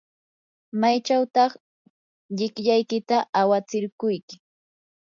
¿maychawtaq llikllaykita awatsirquyki?